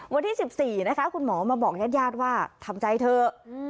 วันที่๑๔นะคะคุณหมอมาบอกญาติญาติว่าทำใจเถอะ